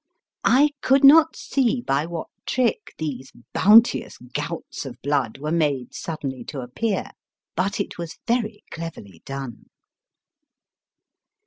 I could not see by what trick these bounteous gouts of blood were made suddenly to appear ; but it was very cleverly done.